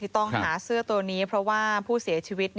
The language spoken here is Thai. ต้องหาเสื้อตัวนี้เพราะว่าผู้เสียชีวิต